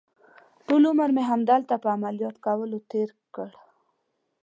ټول عمر مې همدلته په عملیات کولو تېر کړ.